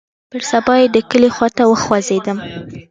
پر سبا يې د کلي خوا ته وخوځېدم.